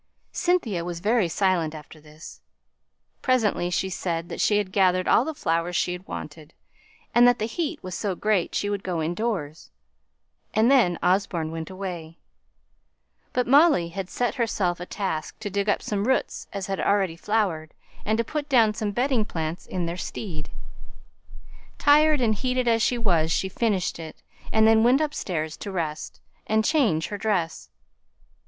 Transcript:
Cynthia was very silent after this. Presently, she said that she had gathered all the flowers she wanted, and that the heat was so great she would go indoors. And then Osborne went away. But Molly had set herself a task to dig up such roots as had already flowered, and to put down some bedding out plants in their stead. Tired and heated as she was she finished it, and then went upstairs to rest, and change her dress.